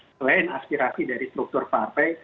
selain aspirasi dari struktur partai